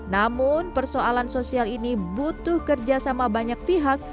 namun persoalan sosial ini butuh kerja sama banyak pihak